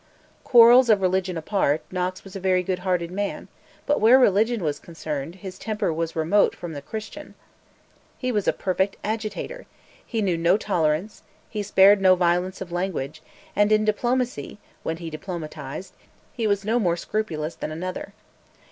Quarrels of religion apart, Knox was a very good hearted man; but where religion was concerned, his temper was remote from the Christian. He was a perfect agitator; he knew no tolerance, he spared no violence of language, and in diplomacy, when he diplomatised, he was no more scrupulous than another.